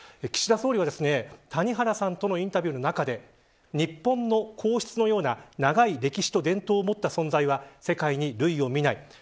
岸田総理は谷原さんとのインタビューの中で日本の皇室のような長い歴史と伝統を持った存在は世界に類を見ない。